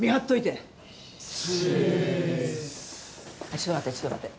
ちょっと待ってちょっと待って。